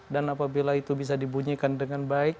dan apabila itu bisa dibunyikan dengan baik